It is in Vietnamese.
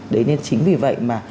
đấy nên chính vì vậy mà